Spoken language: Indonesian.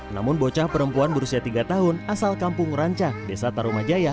namun bocah perempuan berusia tiga tahun asal kampung ranca desa tarumajaya